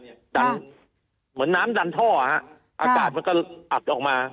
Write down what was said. เหมือนน้ำดันท่อฮะอากาศมันก็อัดออกมา